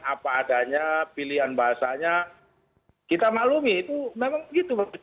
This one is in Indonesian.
apa adanya pilihan bahasanya kita maklumi itu memang begitu